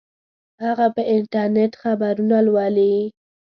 هغه په انټرنیټ خبرونه لولي